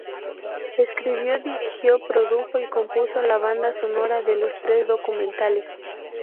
Escribió, dirigió, produjo y compuso la banda sonora de los tres documentales.